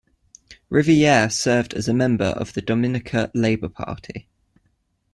Riviere served as a member of the Dominica Labour Party.